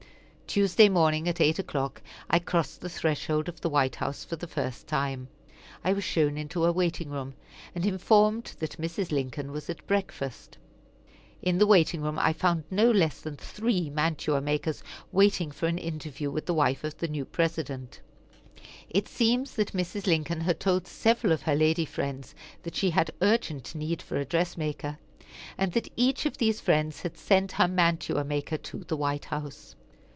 Tuesday morning, at eight o'clock, I crossed the threshold of the White House for the first time. I was shown into a waiting room, and informed that Mrs. Lincoln was at breakfast. In the waiting room I found no less than three mantua makers waiting for an interview with the wife of the new President. It seems that Mrs. Lincoln had told several of her lady friends that she had urgent need for a dress maker, and that each of these friends had sent her mantua maker to the White House.